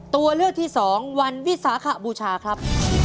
ตัวเลือกที่สองวันวิสาขบูชาครับ